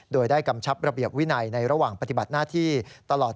โดยได้กำชับระเบียบวินัยในระหว่างปฏิบัติหน้าที่ตลอด